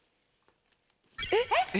えっ？